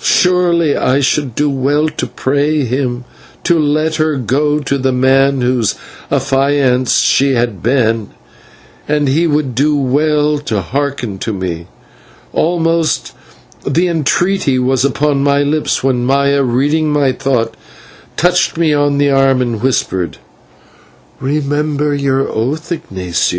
Surely I should do well to pray him to let her go to the man whose affianced she had been, and he would do well to hearken to me. Almost the entreaty was upon my lips when Maya, reading my thought, touched me on the arm and whispered: "Remember your oath, Ignatio."